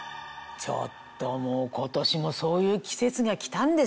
ちょっともう今年もそういう季節が来たんですね。